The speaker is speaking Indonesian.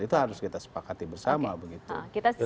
itu harus kita sepakati bersama begitu